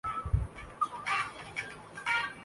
رواں اردو کی غرض سے گرین ہاؤس کو سبز مکان